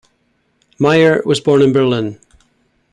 Meyer was born in Berlin.